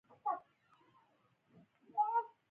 نیمګړی خط لس نښې درلودې.